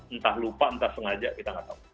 entah lupa entah sengaja kita nggak tahu